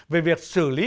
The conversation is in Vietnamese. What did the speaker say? về việc xử lý